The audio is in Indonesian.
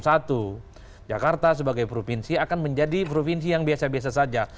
satu jakarta sebagai provinsi akan menjadi provinsi yang biasa biasa saja